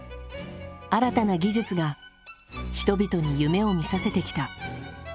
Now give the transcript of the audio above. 新たな技術が人々に夢をみさせてきた。